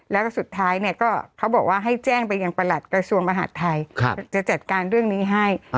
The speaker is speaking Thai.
แล้วก็สุดท้ายเนี่ยก็เขาบอกว่าให้แจ้งไปยังประหลัดกระทรวงมหาดไทยจะจัดการเรื่องนี้ให้